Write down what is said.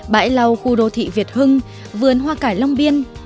bãi lau khu đô thị việt hưng vườn hoa cải long biên